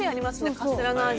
カステラの味。